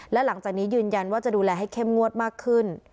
และหลังจากนี้ยืนยันว่าจะดูแลให้เข้มงวดมากขึ้น